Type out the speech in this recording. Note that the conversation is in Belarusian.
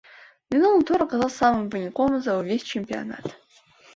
Мінулы тур аказаўся самым выніковым за ўвесь чэмпіянат.